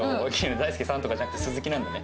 「大介さん」とかじゃなくて「鈴木」なんだね。